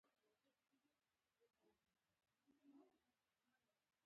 حکمت د حیرت او تعجب څخه را پیدا کېږي.